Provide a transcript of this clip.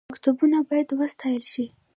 مکتبونه باید وساتل شي